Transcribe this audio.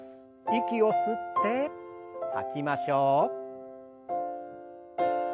息を吸って吐きましょう。